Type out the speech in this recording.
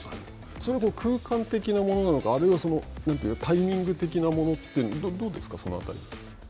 それは空間的なものなのか、あるいはタイミング的なものってどうですか、そのあたり。